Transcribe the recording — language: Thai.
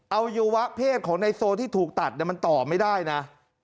อวัยวะเพศของในโซที่ถูกตัดมันต่อไม่ได้นะ